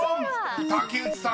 ［竹内さん